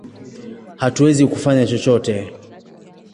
Hatuwezi kufanya chochote!